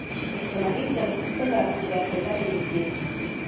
په شتمنۍ سره هېڅکله هوښیار کېدلی نه شئ.